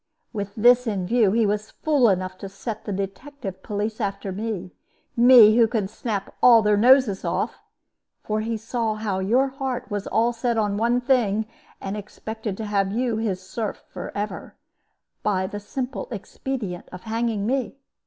"With this in view, he was fool enough to set the detective police after me me, who could snap all their noses off! For he saw how your heart was all set on one thing, and expected to have you his serf forever, by the simple expedient of hanging me.